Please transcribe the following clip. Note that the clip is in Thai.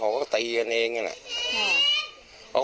เขาก็ตีกันเองอ้าว